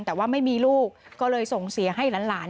แต่ว่าไม่มีลูกก็เลยส่งเสียให้หลาน